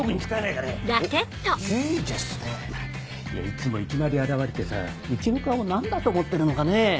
いやいっつもいきなり現れてさうちの課を何だと思ってるのかね。